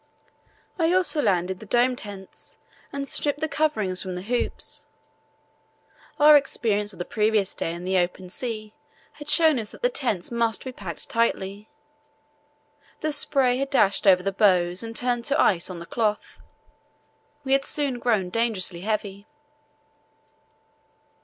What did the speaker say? I also landed the dome tents and stripped the coverings from the hoops. Our experience of the previous day in the open sea had shown us that the tents must be packed tightly. The spray had dashed over the bows and turned to ice on the cloth, which had soon grown dangerously heavy.